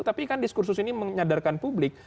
tapi kan diskursus ini menyadarkan publik